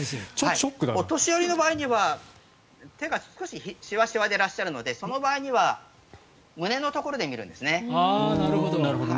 お年寄りの場合には手が少しシワシワでいらっしゃるのでその場合には胸のところで見るんですね。